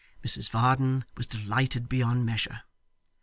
Mrs Varden was delighted beyond measure.